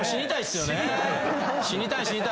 死にたいわ。